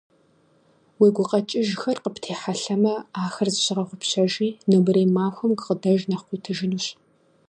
Уи гукъэкӀыжхэр къыптехьэлъэмэ, ахэр зыщыгъэгъупщэжи, нобэрей махуэм гукъыдэж нэхъ къуитыжынущ!